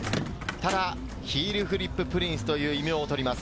ただヒールフリッププリンスという異名をとります。